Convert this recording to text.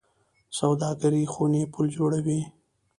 سوداګرۍ خونې پل جوړوي